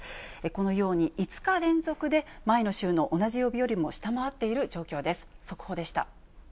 このように、５日連続で前の週の同じ曜日よりも下回っている状況です。